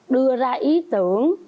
đưa ra ý tưởng